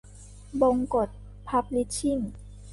บงกช พับลิชชิ่ง